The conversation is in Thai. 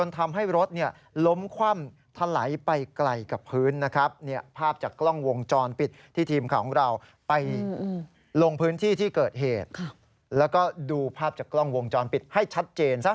ไปลงพื้นที่ที่เกิดเหตุแล้วก็ดูภาพจากกล้องวงจรปิดให้ชัดเจนซะ